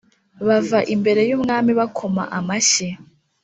bava imbere yumwami bakoma amashyi